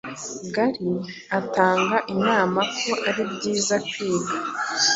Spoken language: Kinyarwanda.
Gary atanga inama ko ari byiza kwiga